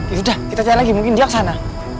yaudah kita cari lagi mungkin dia kesana